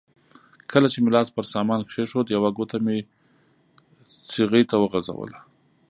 کله چې مې لاس پر سامان کېښود یوه ګوته مې څغۍ ته وغځوله.